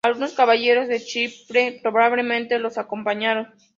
Algunos caballeros de Chipre probablemente los acompañaron.